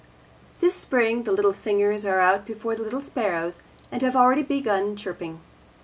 This spring the little singers are out before the little sparrows and have already begun chirruping.